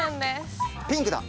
ピンクだ。